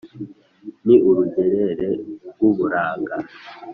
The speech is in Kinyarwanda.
Ni urugeregere rw’uburanga,